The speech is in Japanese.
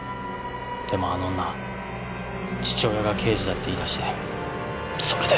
でもあの女父親が刑事だって言い出してそれで。